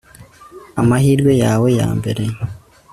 Amahirwe yawe ya mbere